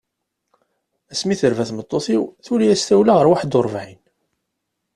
Ass mi terba tmeṭṭut-iw tuli-as tawla ɣer waḥed u ṛebɛin.